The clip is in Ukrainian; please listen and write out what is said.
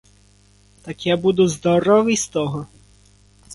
Так я буду здоровий з того?